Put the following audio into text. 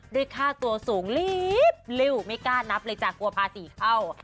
ด้วยค่าตัวสูงรีบลิ้วไม่กล้านับเลยจ้ะกลัวภาษีเข้า